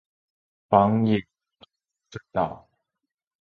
枋野二號隧道